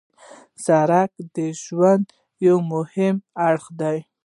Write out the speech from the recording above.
سړک د ژوند یو مهم اړخ دی.